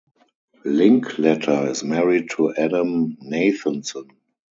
Linkletter is married to Adam Nathanson.